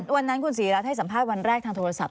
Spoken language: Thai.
วันนั้นคุณศรีรัฐให้สัมภาษณ์วันแรกทางโทรศัพ